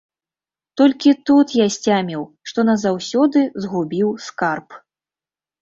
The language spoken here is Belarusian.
Толькі тут я сцяміў, што назаўсёды згубіў скарб.